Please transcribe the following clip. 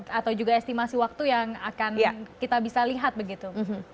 atau juga estimasi waktu yang akan kita bisa lihat begitu